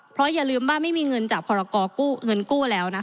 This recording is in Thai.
เพราะอย่าลืมว่าไม่มีเงินจากพรกรเงินกู้แล้วนะคะ